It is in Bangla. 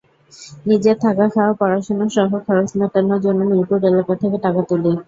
নিজের থাকা, খাওয়া, পড়াশোনাসহ খরচ মেটানোর জন্য মিরপুর এলাকা থেকে টাকা তুলি।